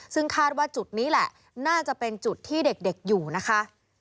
ซึ่งคาดว่าจุดนี้แหละน่าจะเป็นจุดที่เด็กอยู่นะคะ